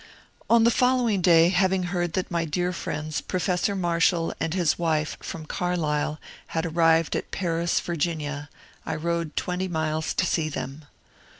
On the following day, having heard that my dear friends Professor Marshall and his wife, from Carlisle, had arrived at Paris, Ya., I rode twenty miles to see them.